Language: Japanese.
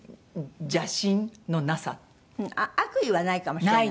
悪意はないかもしれない。